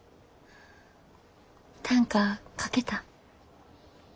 短歌書けた？